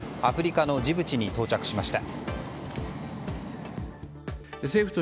午後アフリカのジブチに到着しました。